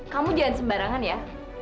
kamu jangan sembarangan ya